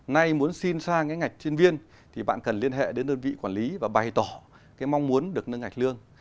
nay muốn xin sang ngạch chuyên viên thì bạn cần liên hệ đến đơn vị quản lý và bày tỏ mong muốn được nâng ngạch lương